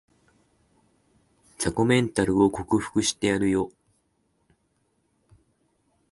雑魚メンタル克服してやるよ